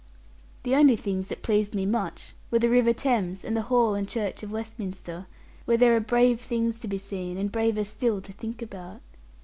The only things that pleased me much, were the river Thames, and the hall and church of Westminster, where there are brave things to be seen, and braver still to think about.